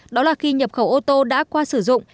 đó là khi nhập khẩu ô tô đã qua sử dụng